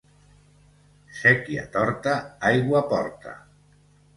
Séquia torta, aigua porta.